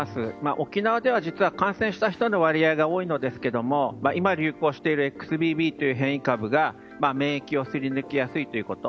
沖縄では実は感染した人の割合が多いのですけども今流行しているＸＢＢという変異株が免疫をすり抜けやすいということ。